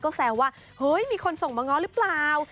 ก็แซวว่าเฮ้ยมีคนส่งมาง้อหรือเปล่า